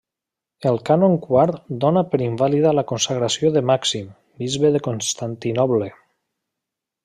El cànon quart dóna per invàlida la consagració de Màxim, bisbe de Constantinoble.